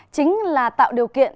chính là tạo điều kiện